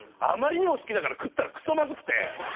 あまりにも好きだから食ったらくそまずくて。